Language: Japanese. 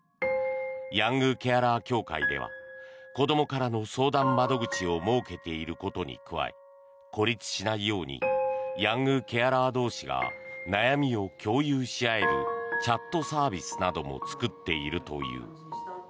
ヤングケアラー協会では子どもからの相談窓口を設けていることに加え孤立しないようにヤングケアラー同士が悩みを共有し合えるチャットサービスなども作っているという。